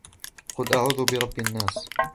قُلْ أَعُوذُ بِرَبِّ النَّاسِ